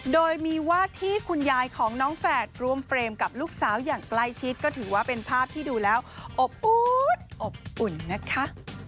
โดยมีว่าที่คุณยายของน้องแฝดรวมเฟรมกับลูกสาวอย่างใกล้ชิดก็ถือว่าเป็นภาพที่ดูแล้วอบอุ๊ดอบอุ่นนะคะ